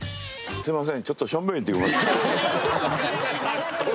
すいません。